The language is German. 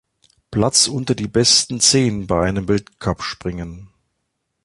Platz unter die besten zehn bei einem Weltcup-Springen.